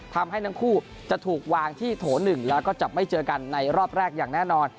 ทำให้ทั้งคู่จะถูกวางที่โถ๑แล้วก็จับไม่เจอกันในรอบแรกอย่างแน่นอน